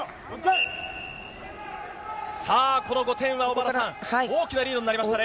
さあ、この５点は小原さん大きなリードになりましたね。